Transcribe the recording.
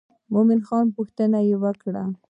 د مومن خان پوښتنه یې وکړه.